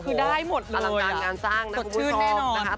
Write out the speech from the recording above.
คือได้หมดเลยอ่ะสดชื่นแน่นอนคือได้หมดเลยอ่ะสดชื่นแน่นอน